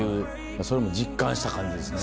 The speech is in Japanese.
それも実感した感じですね。